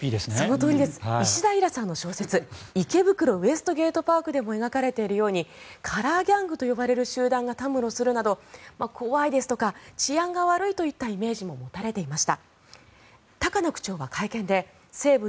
石田衣良さんの小説「池袋ウエストゲートパーク」でも描かれているようにカラーギャングがたむろする怖いですとか治安が悪いといったイメージがありました。